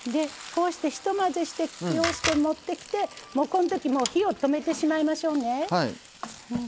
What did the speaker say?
こうして、ひと混ぜして持ってきてこのとき火を止めてしまいましょうね。